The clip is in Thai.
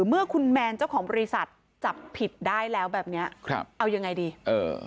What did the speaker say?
เมื่อคุณแมนเจ้าของบริษัทจับผิดได้แล้วแบบเนี้ยครับเอายังไงดีเออ